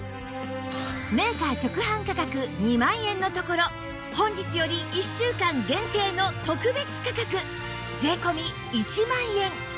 メーカー直販価格２万円のところ本日より１週間限定の特別価格税込１万円